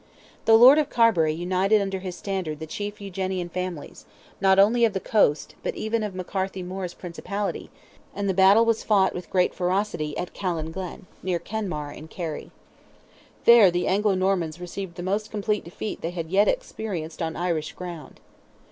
The Lord of Carbury united under his standard the chief Eugenian families, not only of the Coast, but even of McCarthy More's principality, and the battle was fought with great ferocity at Callan Glen, near Kenmare, in Kerry. There the Anglo Normans received the most complete defeat they had yet experienced on Irish ground.